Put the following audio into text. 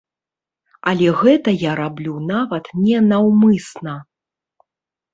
Але гэта я раблю нават не наўмысна.